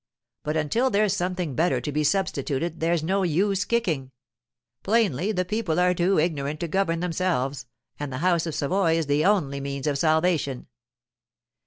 But until there's something better to be substituted there's no use kicking. Plainly, the people are too ignorant to govern themselves, and the House of Savoy is the only means of salvation.